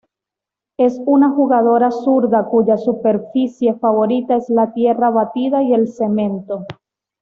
Es una jugadora zurda cuya superficie favorita es la tierra batida y el cemento.